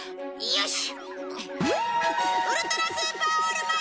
よし！